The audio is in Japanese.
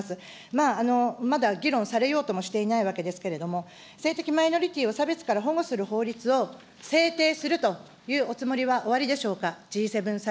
まあ、まだ議論されようともしていないわけですけれども、性的マイノリティーを差別から保護する法律を、制定するというおつもりはおありでしょうか。